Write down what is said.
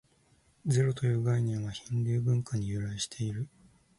ゼロという概念は、ヒンドゥー文化に由来している。